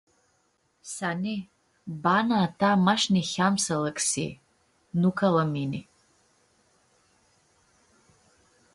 Sani, bana a ta mash niheam s-alãxi, nu ca la mini.